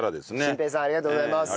しんぺいさんありがとうございます。